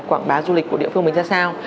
quảng bá du lịch của địa phương mình ra sao